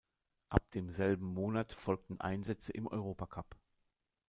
Ab demselben Monat folgten Einsätze im Europacup.